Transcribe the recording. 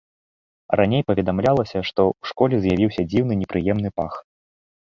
Раней паведамлялася, што ў школе з'явіўся дзіўны непрыемны пах.